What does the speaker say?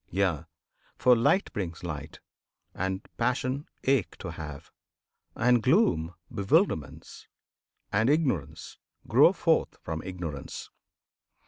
Yea! For Light brings light, and Passion ache to have; And gloom, bewilderments, and ignorance Grow forth from Ignorance.